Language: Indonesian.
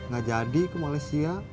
gak jadi ke malaysia